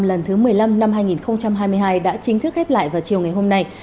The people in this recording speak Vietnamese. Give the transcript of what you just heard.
lần thứ một mươi năm năm hai nghìn hai mươi hai đã chính thức khép lại vào chiều ngày hôm nay